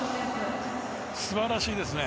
素晴らしいですね。